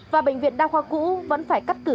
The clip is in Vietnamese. và bệnh viện đa khoa cũ vẫn phải cắt cử